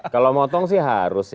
kalau motong sih harus ya